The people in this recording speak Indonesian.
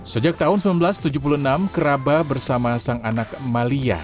sejak tahun seribu sembilan ratus tujuh puluh enam keraba bersama sang anak malia